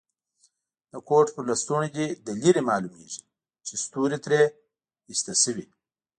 د کوټ پر لستوڼي دي له لرې معلومیږي چي ستوري ترې ایسته شوي.